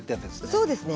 そうですね。